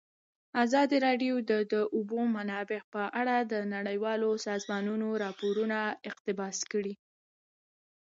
ازادي راډیو د د اوبو منابع په اړه د نړیوالو سازمانونو راپورونه اقتباس کړي.